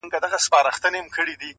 • سره له هغه چي خپل شعرونه -